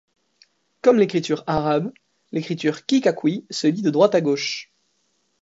Comme l’écriture arabe, l’écriture kikakui se lit de droite à gauche.